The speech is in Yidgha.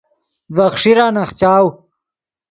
ڤے خیݰیرا نخچاؤ